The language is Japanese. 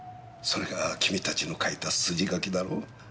それが君たちの書いた筋書きだろ？